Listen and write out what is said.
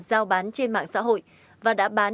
giao bán trên mạng xã hội và đã bán